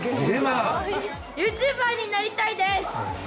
ＹｏｕＴｕｂｅｒになりたい？